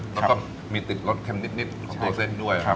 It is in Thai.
แล้วก็มีติดรสแคร็มนิดของตัวเส้นด้วยครับ